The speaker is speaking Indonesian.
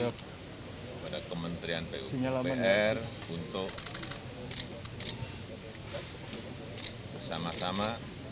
kepada kementerian pupr untuk bersama sama